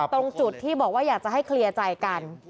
ตรงจุดที่บอกว่าอยากจะให้เคลียร์ใจกัน